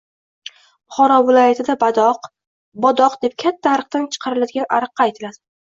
Buxoro viloyatida badoq, bodoq deb katta ariqdan chiqarilgan ariqqa aytiladi.